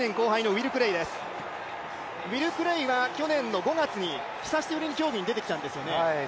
ウィル・クレイは去年の５月に久しぶりに出てきたんですよね。